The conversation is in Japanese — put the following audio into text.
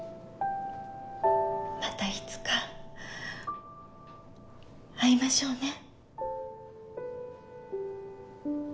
またいつか会いましょうね。